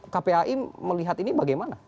kpai melihat ini bagaimana